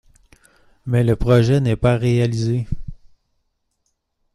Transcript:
Mais le projet n'est pas réalisé.